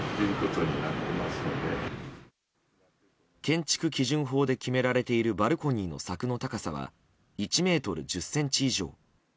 建築基準法で決められているバルコニーの柵の高さは１ｍ１０ｃｍ以上。